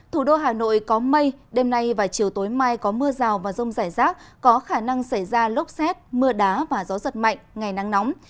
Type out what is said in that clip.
thủ đô hà nội có mây đêm nay và chiều tối mai có mưa rào và rông rải rác có khả năng xảy ra lốc xét mưa đá và gió giật mạnh ngày nắng nóng